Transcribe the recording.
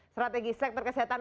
strategi sektor kesehatan